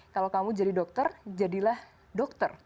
kalau kamu jadi dokter jadilah dokter